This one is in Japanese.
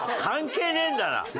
関係ねえんだな。